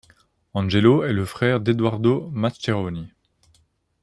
Angelo est le frère de Edoardo Mascheroni.